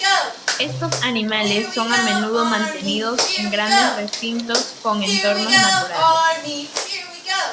Estos animales son a menudo mantenidos en grandes recintos con entornos naturales.